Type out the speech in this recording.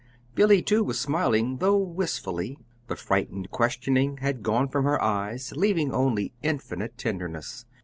Billy, too, was smiling, though wistfully. The frightened questioning had gone from her eyes, leaving only infinite tenderness.